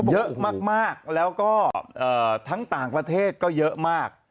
เยอะมากแล้วก็ทั้งต่างประเทศก็เยอะมาก